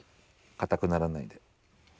かたくならないで。